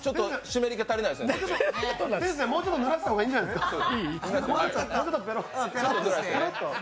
先生、もっとぬらした方がいいんじゃないですか。